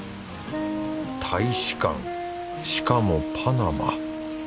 大使館しかもパナマ。